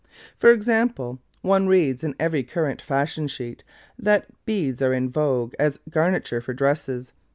For example, one reads in every current fashion sheet that beads are in vogue as garniture for dresses.